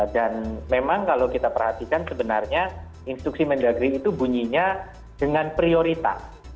dan memang kalau kita perhatikan sebenarnya instruksi mendagri itu bunyinya dengan prioritas